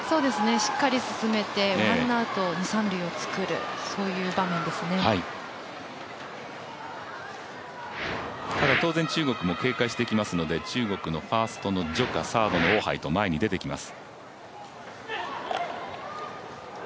しっかり進めてワンアウト二・三塁を作るただ、当然中国も警戒してきますので中国のファーストの徐佳サードの王ハイと前に出てきます。